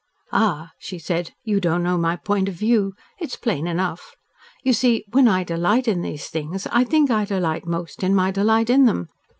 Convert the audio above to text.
"Ah!" she said. "You don't know my point of view; it's plain enough. You see, when I delight in these things, I think I delight most in my delight in them.